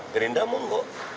gerindra mau nggak